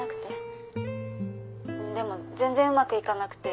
うんでも全然うまくいかなくて。